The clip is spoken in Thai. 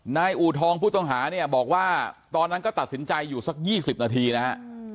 อูทองผู้ต้องหาเนี่ยบอกว่าตอนนั้นก็ตัดสินใจอยู่สัก๒๐นาทีนะฮะ